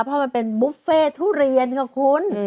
เพราะมันเป็นบุฟเฟ่ทุเรียนค่ะคุณ